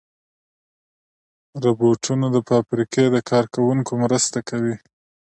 روبوټونه د فابریکې د کار کوونکو مرسته کوي.